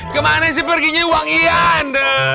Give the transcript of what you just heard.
kemana sih perginya uang ian